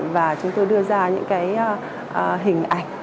và chúng tôi đưa ra những hình ảnh